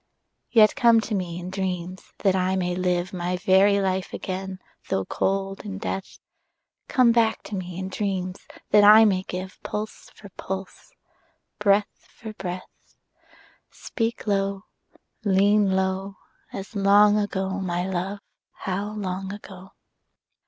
Yet come to me in dreams, that I may live My very life again though cold in death: Come back to me in dreams, that I may give Pulse for pulse, breath for breath: Speak low, lean low, As long ago, my love, how long ago!